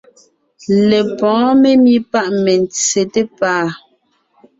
Lepɔ̌ɔn memí pâ mentse té pàa.